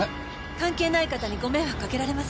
関係ない方にご迷惑かけられませんから。